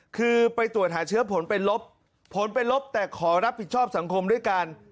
คือไปตรวจหาเชื้อผลเป็นลบผลเป็นลบแต่ขอรับผิดชอบสังคมด้วยกัน